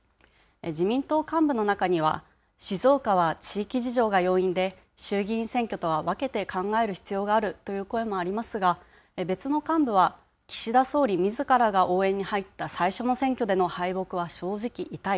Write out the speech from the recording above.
自民党幹部の中には、静岡は地域事情が要因で、衆議院選挙とは分けて考える必要があるという声もありますが、別の幹部は、岸田総理みずからが応援に入った最初の選挙での敗北は正直痛い。